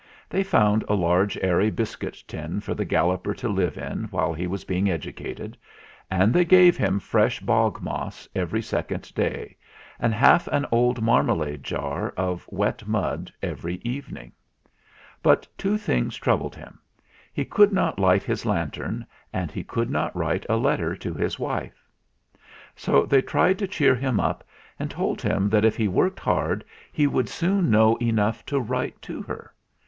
They found a large airy biscuit tin for the Galloper to live in while he was being educated, and they gave him fresh bog moss every second day, and half an old marmalade jar of wet mud every evening. But two things troubled him : he could not light 228 THE FLINT HEART his lantern and he could not write a letter to his wife. So they tried to cheer him up and told him that if he worked hard he would soon know enough to write to her.